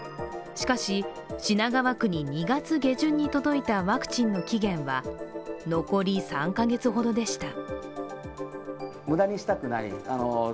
しかし、品川区に２月下旬に届いたワクチンの期限は、残り３か月ほどでした。